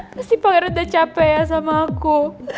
pasti pangeran udah capek ya sama aku